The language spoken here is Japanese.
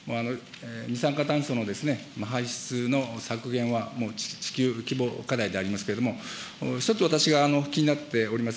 二酸化炭素の排出の削減はもう地球規模課題でありますけれども、一つ、私が気になっております